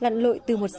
lặn lội từ một sáng